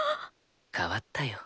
変わったよ。